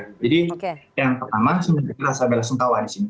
jadi yang pertama saya belasungkawa disini